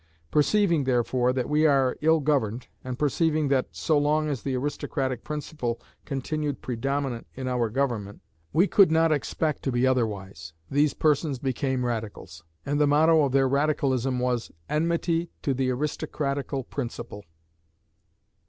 Perceiving, therefore, that we are ill governed, and perceiving that, so long as the aristocratic principle continued predominant in our government, we could not expect to be otherwise, these persons became Radicals; and the motto of their Radicalism was, Enmity to the aristocratical principle."